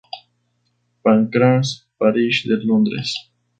Pancras Parish de Londres.